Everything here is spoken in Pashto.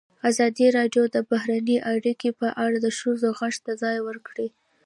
ازادي راډیو د بهرنۍ اړیکې په اړه د ښځو غږ ته ځای ورکړی.